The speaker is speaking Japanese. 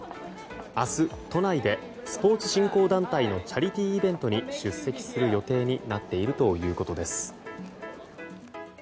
明日、都内でスポーツ振興団体のチャリティーイベントに出席する予定になっているということです。